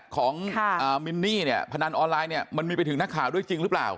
ของมินนี่เนี่ยพนันออนไลน์เนี่ยมันมีไปถึงนักข่าวด้วยจริงหรือเปล่า